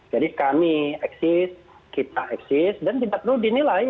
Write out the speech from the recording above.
jadi kami eksis kita eksis dan tidak perlu dinilai